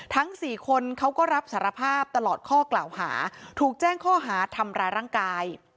ทั้งสี่คนเขาก็รับสารภาพตลอดข้อกล่าวหาถูกแจ้งข้อหาทำร้ายร่างกาย